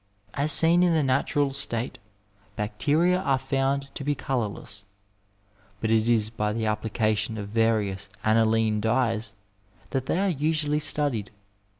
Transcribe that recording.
As seen in the natural state bacteria are found to be colourless, but it is by the application of various aniline dyes that they are usually studied.